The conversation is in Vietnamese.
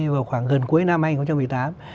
vào khoảng gần cuối năm hai nghìn một mươi tám